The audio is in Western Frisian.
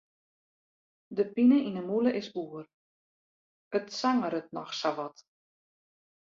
De pine yn 'e mûle is oer, it sangeret noch sa wat.